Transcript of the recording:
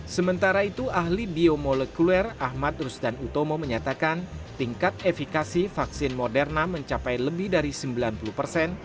sementara itu ahli biomolekuler ahmad rusdan utomo menyatakan tingkat efikasi vaksin moderna mencapai lebih dari sembilan puluh persen